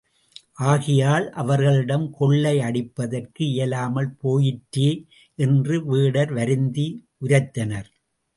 ஆகையால் அவர்களிடம் கொள்ளை அடிப்பதற்கு இயலாமற் போயிற்றே என்று வேடர் வருந்தி உரைத்தனர்.